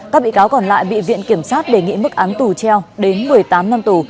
các bị cáo còn lại bị viện kiểm sát đề nghị mức án tù treo đến một mươi tám năm tù